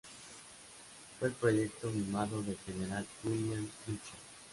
Fue el proyecto mimado del general William Mitchell.